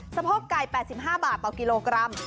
สะโพกไก่๘๕บาทต่อกิโลกรัม